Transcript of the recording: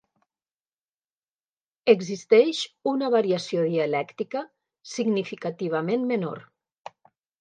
Existeix una variació dialèctica significativament menor.